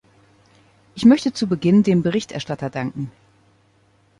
Ich möchte zu Beginn dem Berichterstatter danken.